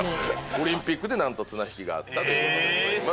オリンピックで綱引きがあったということでございます。